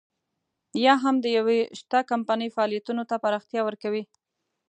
یا هم د يوې شته کمپنۍ فعالیتونو ته پراختیا ورکوي.